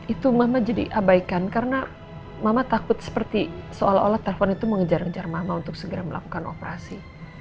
itu mama jadi abaikan karena mama takut seperti seolah olah telpon itu mengejar ngejar mama untuk segera melakukan operasi